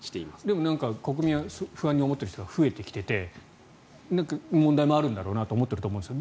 でも、国民は不安に思っている人が増えてきていて問題もあるんだろうなと思っているんだと思うんです。